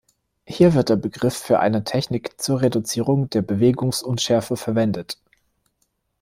Hier wird der Begriff für eine Technik zur Reduzierung der Bewegungsunschärfe verwendet.